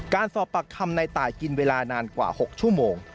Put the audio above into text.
การสอบปากคำในตายกินเวลานานกว่า๖ชั่วโมง